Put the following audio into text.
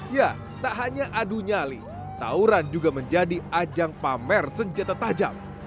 ya tak hanya adu nyali tauran juga menjadi ajang pamer senjata tajam